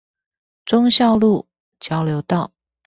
忠孝路交流道